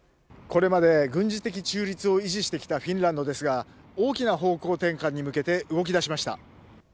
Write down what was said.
これまで軍事的中立を維持してきたフィンランドですが大きな方向転換に向けて動き出しました。